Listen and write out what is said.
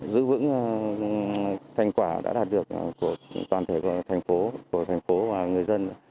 giữ vững thành quả đã đạt được của toàn thể của thành phố của thành phố và người dân